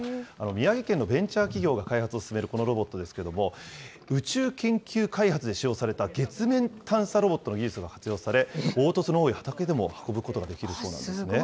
宮城県のベンチャー企業が開発を進めるこのロボットですけれども、宇宙研究開発で使用された月面探査ロボットの技術が活用され、凹凸の多い畑でも運ぶことができるそうなんですね。